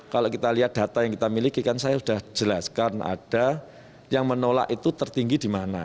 kalau kita lihat data yang kita miliki kan saya sudah jelaskan ada yang menolak itu tertinggi di mana